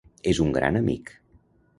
És un gran amic.